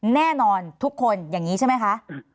แน่นอนทุกคนอย่างนี้ใช่ไหมคะ